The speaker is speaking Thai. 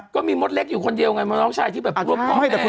ก็มีมดเล็กอยู่คนเดียวไงมน้องชายที่แบบพวกไม่แต่คุณต้อง